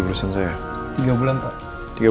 mama yang kuat dan tegar